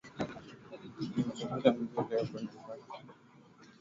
kilichopo hadi hivi leo kwenye mipaka ya Palestina alikuwa akiitwa Yesu wa